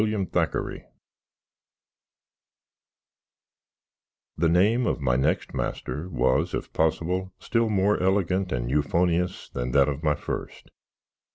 M. THACKERAY The name of my next master was, if posbil, still more ellygant and youfonious than that of my fust.